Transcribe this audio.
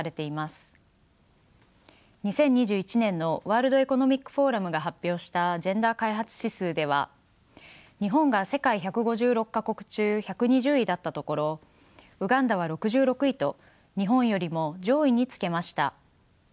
２０２１年のワールド・エコノミック・フォーラムが発表したジェンダー開発指数では日本が世界１５６か国中１２０位だったところウガンダは６６位と日本よりも上位につけました。